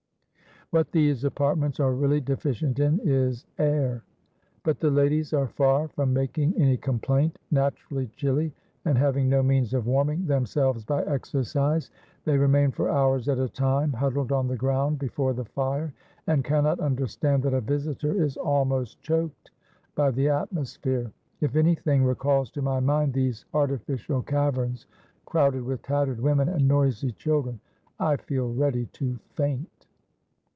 What these apartments are really deficient in is air; but the ladies are far from making any complaint. Naturally chilly, and having no means of warming themselves by exercise, they remain for hours at a time huddled on the ground before the fire, and cannot understand that a visitor is almost choked by the atmosphere. If anything recalls to my mind these artificial caverns, crowded with tattered women and noisy children, I feel ready to faint."